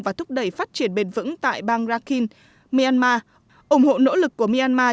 và thúc đẩy phát triển bền vững tại bang rakhin myanmar ủng hộ nỗ lực của myanmar